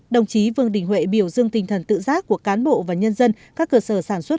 đồng chí vương đình huệ biểu dương tinh thần tự giác của cán bộ và nhân dân các cơ sở sản xuất